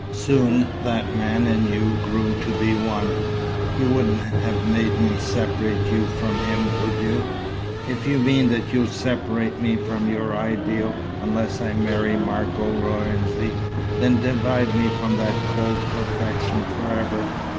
Soon, that man and you grew to be one. You wouldn't have me separate you from him, would you?" "If you mean that you'll separate me from your ideal unless I marry Margot Lorenzi, then divide me from that cold perfection forever.